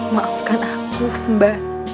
maafkan aku sembara